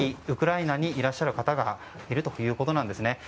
ウクライナにいらっしゃる方がいるということなんです。